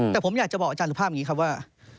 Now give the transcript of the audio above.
แต่ผมอยากจะบอกอาจารย์สุภาพอย่างนี้ครับว่า